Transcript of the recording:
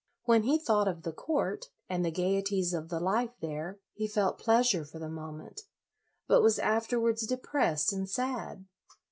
When he thought of the court, and the gaieties of the life there, he felt pleasure for the mo ment, but was afterwards depressed and sad.